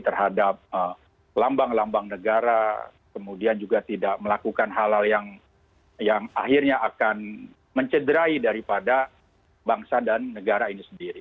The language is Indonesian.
terhadap lambang lambang negara kemudian juga tidak melakukan hal hal yang akhirnya akan mencederai daripada bangsa dan negara ini sendiri